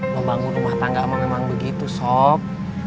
membangun rumah tangga memang memang begitu sob